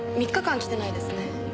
３日間来てないですね。